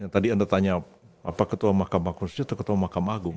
tadi anda tanya ketua mahkamah konstitusi atau ketua mahkamah agung